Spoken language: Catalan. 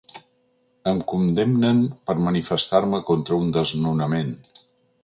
Em condemnen per manifestar-me contra un desnonament.